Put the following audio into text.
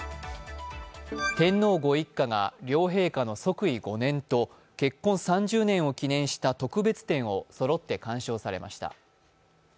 天皇ご一家が両陛下の即位５年と結婚３０年を記念した特別展をそろって鑑賞されました。